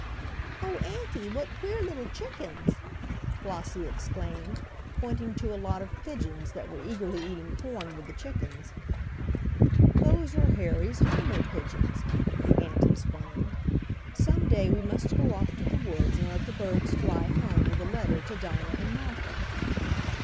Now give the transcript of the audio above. "Oh, auntie, what queer little chickens!" Flossie exclaimed, pointing to a lot of pigeons that were eagerly eating corn with the chickens. "Those are Harry's homer pigeons," the aunt explained. "Some day we must go off to the woods and let the birds fly home with a letter to Dinah and Martha."